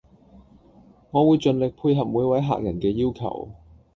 我會盡力配合每位客人嘅要求